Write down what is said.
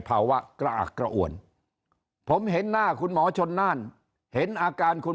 ภาวะกระอักกระอ่วนผมเห็นหน้าคุณหมอชนน่านเห็นอาการคุณ